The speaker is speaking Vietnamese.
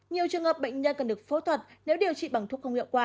nhiều trường hợp bệnh nhân cần được phẫu thuật nếu điều trị bằng thuốc không hiệu quả